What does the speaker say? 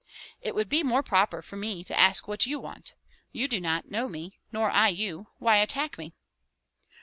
"It would be more proper for me to ask what you want. You do not know me, nor I you; why attack me?"